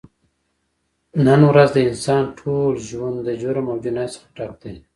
نن ورځ د انسان ټول ژون د جرم او جنایت څخه ډک دی